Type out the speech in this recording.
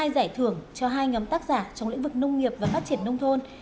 hai giải thưởng cho hai nhóm tác giả trong lĩnh vực nông nghiệp và phát triển nông thôn